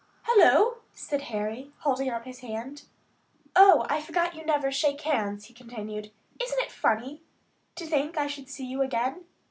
"Hello!" said Harry, holding out his hand. "Oh, I forgot you folk never shake hands," he continued. "Isn't it funny to think I should see you again?